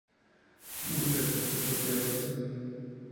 Nombre artístico "Tía Rosa".